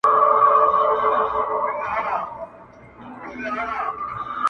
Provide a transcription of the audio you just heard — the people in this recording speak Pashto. که ګوربت سي زموږ پاچا موږ یو بېغمه،